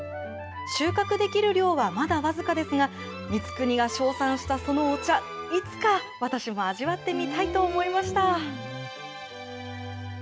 収穫できる量はまだ僅かですが、光圀が称賛したそのお茶、いつか私も味わってみたいと思いました。